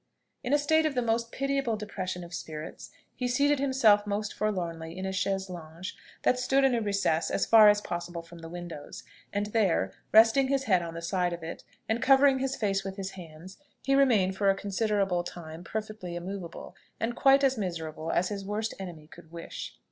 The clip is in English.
In a state of the most pitiable depression of spirits he seated himself most forlornly on a chaise longue that stood in a recess as far as possible from the windows, and there, resting his head on the side of it, and covering his face with his hands, he remained for a considerable time perfectly immoveable, and quite as miserable as his worst enemy could wish.